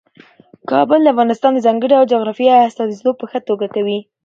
کابل د افغانستان د ځانګړي ډول جغرافیې استازیتوب په ښه توګه کوي.